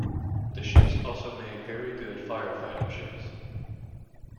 The ships also made very good fire fighting ships.